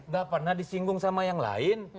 gak pernah disinggung sama yang lain